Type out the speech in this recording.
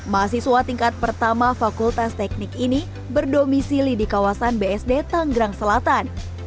mahasiswa tingkat pertama fakultas teknik ini berdomisili di kawasan bsd tanggerang selatan